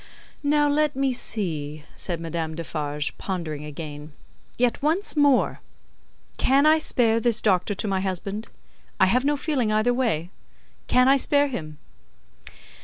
"Now, let me see," said Madame Defarge, pondering again. "Yet once more! Can I spare this Doctor to my husband? I have no feeling either way. Can I spare him?"